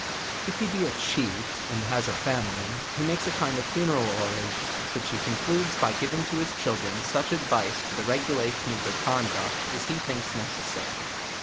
If he be a chief and has a family, he makes a kind of fu neral oration, which he concludes by giving to his children such advice for the regulation of their conduct as he thinks necessary.